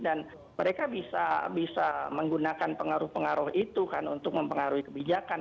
dan mereka bisa menggunakan pengaruh pengaruh itu kan untuk mempengaruhi kebijakan